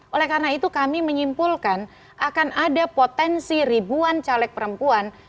oleh karena itu kami menyimpulkan akan ada potensi ribuan caleg perempuan